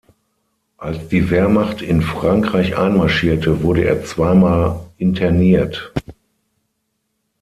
Als die Wehrmacht in Frankreich einmarschierte, wurde er zweimal interniert.